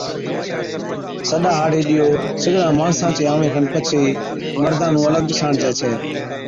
سڏا هاڙي ڏِيئو سِگڙان ماڻسان چي آوڻي کن پڇي مردان نُون الڳ ٻِساڻجي ڇَي،